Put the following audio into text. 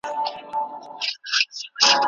هغه شاګرد چي زیار باسي تل بریالی کېږي.